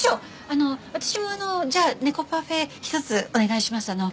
あの私もじゃあネコパフェ１つお願いします。